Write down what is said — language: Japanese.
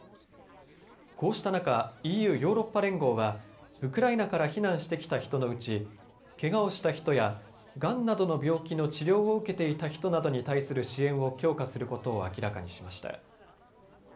こうした中、ＥＵ・ヨーロッパ連合はウクライナから避難してきた人のうちけがをした人やがんなどの病気の治療を受けていた人などに対する支援を強化することを明らかにしました。